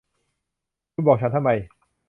คุณบอกฉันทำไม